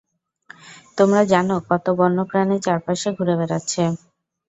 তোমরা জানো কত বন্য প্রাণী চারপাশে ঘুরে বেড়াচ্ছে?